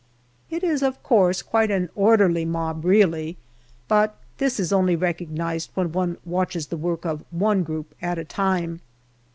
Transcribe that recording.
It is of course quite an orderly mob really but this is only recognized when one watches the work of one group at a time.